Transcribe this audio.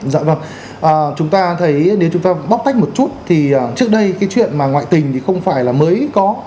dạ vâng chúng ta thấy nếu chúng ta bóc tách một chút thì trước đây cái chuyện mà ngoại tình thì không phải là mới có